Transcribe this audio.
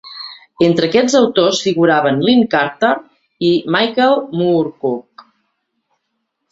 Entre aquests autors figuraven Lin Carter i Michael Moorcock.